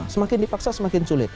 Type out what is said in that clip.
semakin dipaksa semakin sulit